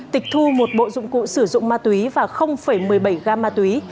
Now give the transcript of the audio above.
tịch thu một bộ dụng cụ sử dụng ma túy và một mươi bảy gam ma túy